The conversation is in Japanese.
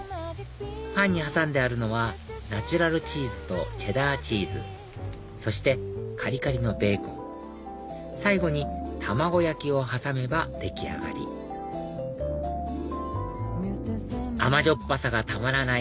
パンに挟んであるのはナチュラルチーズとチェダーチーズそしてカリカリのベーコン最後に卵焼きを挟めば出来上がり甘じょっぱさがたまらない